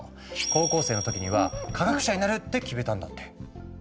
高校生の時には「科学者になる！」って決めたんだって。